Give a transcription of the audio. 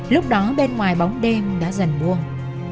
lúc đó bên ngoài bóng đêm đã dần buông